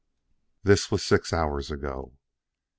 This was six hours ago.